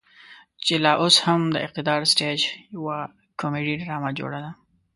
چې لا اوس هم د اقتدار سټيج يوه کميډي ډرامه جوړه ده.